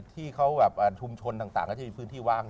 ที่เขาแบบชุมชนต่างก็จะมีพื้นที่ว่าง